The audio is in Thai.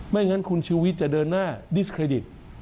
งั้นคุณชูวิทย์จะเดินหน้าดิสเครดิต